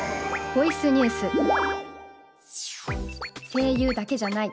声優だけじゃない。